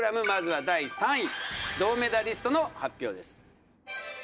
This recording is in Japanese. まずは第３位銅メダリストの発表です